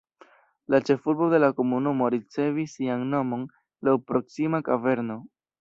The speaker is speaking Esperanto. La ĉefurbo de la komunumo ricevis sian nomon laŭ proksima kaverno.